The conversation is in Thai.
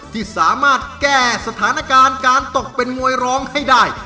ที่สามารถแก้สถานการณ์การตกเป็นมวยร้องให้ได้